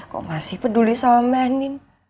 kok masih peduli sama mbak andin